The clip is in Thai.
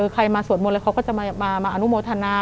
ใครมาสวดมนต์แล้วเขาก็จะมาอนุโมทนา